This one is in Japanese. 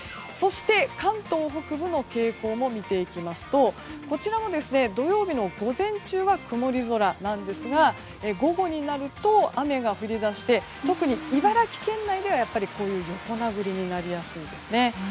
そして関東北部の傾向も見ていきますとこちらも、土曜日の午前中は曇り空なんですが午後になると雨が降り出して特に茨城県内では横殴りになりやすいですね。